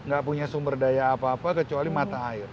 gak punya sumber daya apa apa kecuali mata air